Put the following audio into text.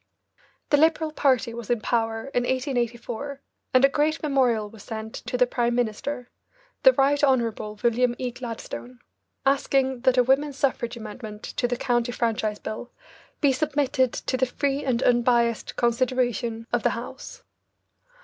The Liberal party was in power in 1884, and a great memorial was sent to the Prime Minister, the Right Honourable William E. Gladstone, asking that a women's suffrage amendment to the County Franchise Bill be submitted to the free and unbiased consideration of the House.